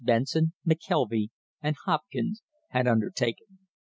Benson, McKelvy and Hopkins had undertaken.